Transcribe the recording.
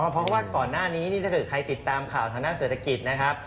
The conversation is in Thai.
เพราะว่าขอนหน้านี้ใครติดตามข่าวข้างหน้าและเศรษฐกิจนะครับ